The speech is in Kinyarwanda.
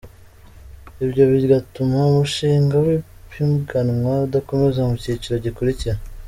Ibyo bigatuma umushinga w’ipiganwa udakomeza mu cyiciro gikurikira.